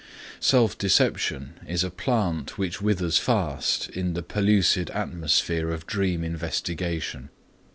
Self deception is a plant which withers fast in the pellucid atmosphere of dream investigation.